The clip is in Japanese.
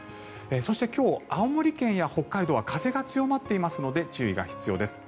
そして今日、青森県や北海道は風が強まっていますので注意が必要です。